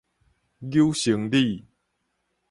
搝生理